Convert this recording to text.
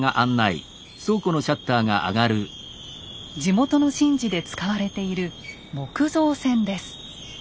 地元の神事で使われている木造船です。